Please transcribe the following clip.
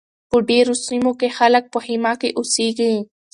په ډېرو سیمو کې خلک په خیمه کې اوسیږي.